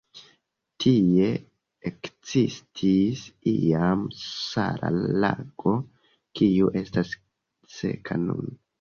Tie ekzistis iam sala lago, kiu estas seka nun.